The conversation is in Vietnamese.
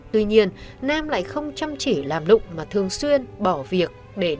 tuy nhiên nam lại không chăm chỉ làm lụng mà thường xuyên bỏ việc để